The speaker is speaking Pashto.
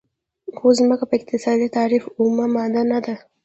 خو ځمکه په اقتصادي تعریف اومه ماده نه ده.